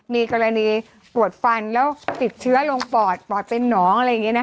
มีกรณีปวดฟันแล้วติดเชื้อลงปอดปอดเป็นหนองอะไรอย่างนี้นะคะ